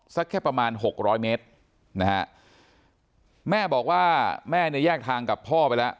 สักแค่ประมาณหกร้อยเมตรนะฮะแม่บอกว่าแม่เนี่ยแยกทางกับพ่อไปแล้ว